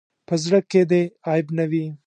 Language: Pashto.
په زړۀ کې دې عیب نه وي.